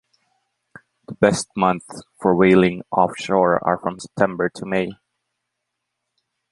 The best months for whaling offshore are from September to May.